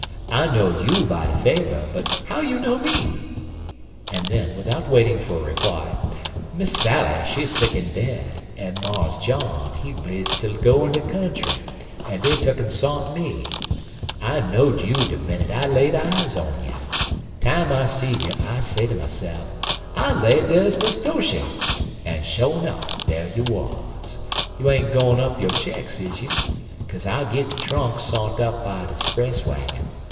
I know'd you by de faver; but how you know me?" And then, without waiting for a reply: "Miss Sally, she sick in bed, en Mars John, he bleedzd ter go in de country, en dey tuck'n sont me. I know'd you de minnit I laid eyes on you. Time I seed you, I say ter myse'f, 'I lay dar's Miss Doshy,' en, sho nuff, dar you wuz. You ain't gun up yo' checks, is you? Kaze I'll git de trunk sont up by de 'spress waggin."